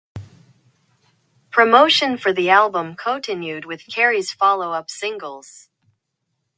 Promotion for the album continued with Carey's follow up singles.